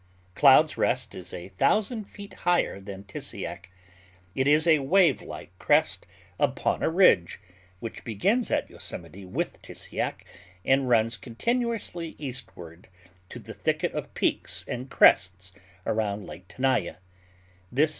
Cloud's Rest is a thousand feet higher than Tissiack. It is a wavelike crest upon a ridge, which begins at Yosemite with Tissiack, and runs continuously eastward to the thicket of peaks and crests around Lake Tenaya.